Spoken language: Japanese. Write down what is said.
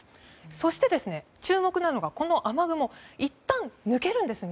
そして、注目なのがこの雨雲いったん南に抜けるんです。